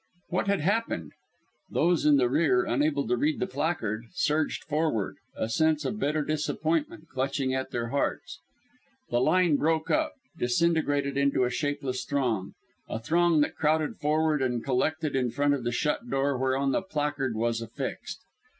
What had happened? Those in the rear, unable to read the placard, surged forward, a sense of bitter disappointment clutching at their hearts. The line broke up, disintegrated into a shapeless throng a throng that crowded forward and collected in front of the shut door whereon the placard was affixed.